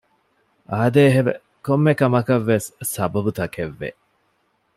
އާދޭހެވެ! ކޮންމެ ކަމަކަށްވެސް ސަބަބުތަކެއްވެ